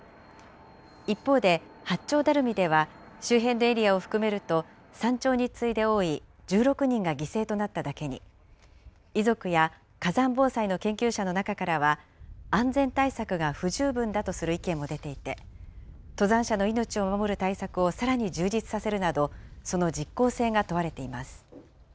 一方で、八丁ダルミでは、周辺エリアを含めると山頂に次いで多い１６人が犠牲となっただけに、遺族や火山防災の研究者の中からは、安全対策が不十分だとする意見も出ていて、登山者の命を守る対策をさらに充実させるなど、その実効性が問われています。